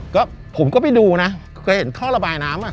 ก็ผมก็ไปดูนะเคยเห็นท่อระบายน้ำอ่ะ